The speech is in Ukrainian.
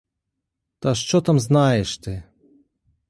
Та що там знаєш ти!